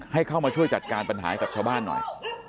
ให้เข้ามาช่วยจัดการปัญหาให้กับชาวบ้านหน่อย